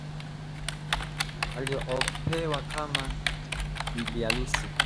niliopewa kama bibiharusi